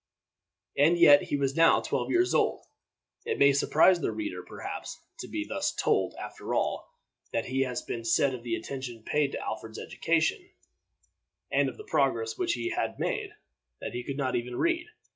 And yet he was now twelve years old. It may surprise the reader, perhaps, to be thus told, after all that has been said of the attention paid to Alfred's education, and of the progress which he had made, that he could not even read.